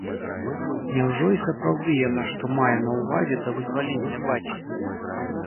Няўжо і сапраўды яна што мае на ўвазе да вызвалення бацькі?